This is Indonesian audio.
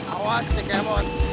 awas si kemot